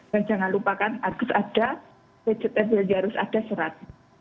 dan jangan lupakan harus ada harus ada serat